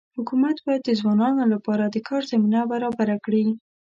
حکومت باید د ځوانانو لپاره د کار زمینه برابره کړي.